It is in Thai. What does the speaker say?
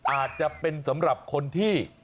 อาจจะเป็นสำหรับคนที่